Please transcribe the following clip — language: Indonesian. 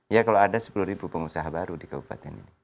ya kalau ada sepuluh pengusaha baru di kabupaten ini